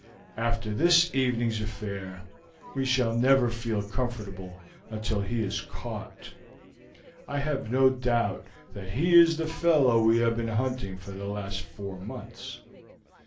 After this evening's affair, we shall never feel comfortable until he is caught. I have no doubt that he is the fellow we have been hunting for the last four months.